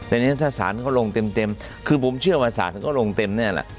แต่นี่ถ้าศาลเขาลงเต็มคือผมเชื่อว่าศาลก็ลงเต็มเนี่ยแหละ